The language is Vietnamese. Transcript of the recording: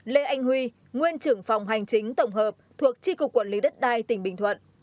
năm lê anh huy nguyên trưởng phòng hành chính tổng hợp thuộc tri cục quản lý đất đai tỉnh bình thuận